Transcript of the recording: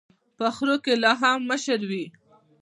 په خرو کي لا هم مشر وي.